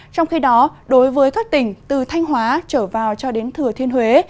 trong khi đó đối với các tỉnh từ thanh hóa trở vào cho đến thừa thiên huế